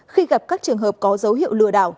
khi gặp các trường hợp có dấu hiệu lừa đảo